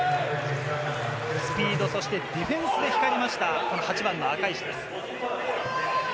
スピード、そしてディフェンスが光りました、８番の赤石です。